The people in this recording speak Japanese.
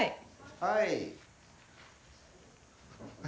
はい。